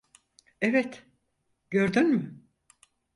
Evet, gördün mü?